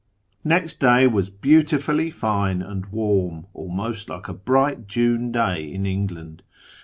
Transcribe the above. Next day was beautifully fine and warm, almost like a bright June day in England.